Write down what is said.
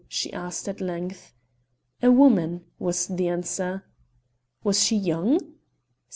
she asked at length. "A woman," was the answer. "Was she young?"